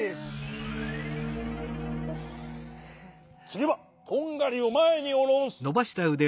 つぎはとんがりをまえにおろす。